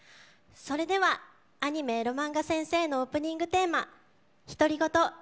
それではアニメ「エロマンガ先生」のオープニングテーマ「ヒトリゴト」